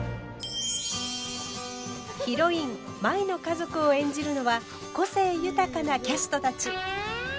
ヒロイン舞の家族を演じるのは個性豊かなキャストたち。